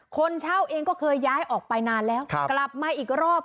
คนเช่าเองก็เคยย้ายออกไปนานแล้วกลับมาอีกรอบ